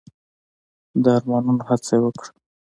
د آرامولو هڅه يې وکړه.